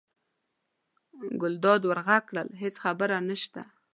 ګلداد ور غږ کړل: هېڅ خبره نشته.